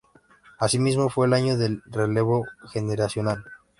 Asimismo, fue el año del relevo generacional.